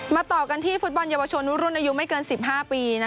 ต่อกันที่ฟุตบอลเยาวชนรุ่นอายุไม่เกิน๑๕ปี